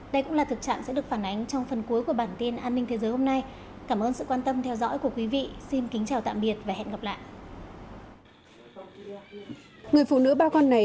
đây cũng là thực trạng sẽ được phản ánh trong phần cuối của bản tin an ninh thế giới hôm nay